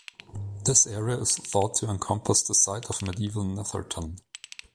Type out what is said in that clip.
This area is thought to encompass the site of medieval Netherton.